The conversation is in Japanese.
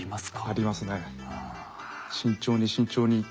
ありますね。